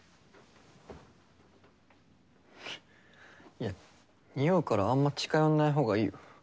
いや臭うからあんま近寄んない方がいいよ。